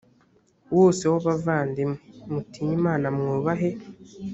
wose w abavandimwe mutinye imana mwubahe